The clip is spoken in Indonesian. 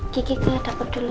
kiki kayak dapet dulu ya